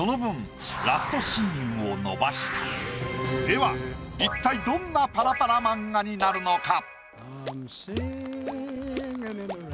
では一体どんなパラパラ漫画になるのか？